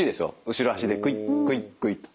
後ろ足でクイックイックイッと。